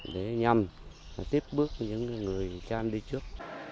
để nhằm tiếp bước những người trai đi trước